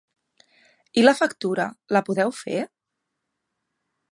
I la factura, la podeu fer?